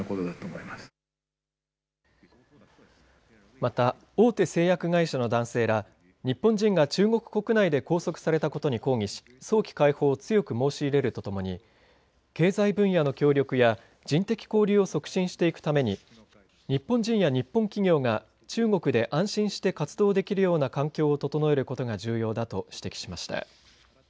また、大手製薬会社の男性ら日本人が中国国内で拘束されたことに抗議し早期解放を強く申し入れるとともに経済分野の協力や人的交流を促進していくために日本人や日本企業が中国で安心して活動できるような環境を整えることが重要だと指摘しました。